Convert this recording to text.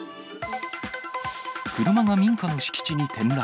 車が民家の敷地に転落。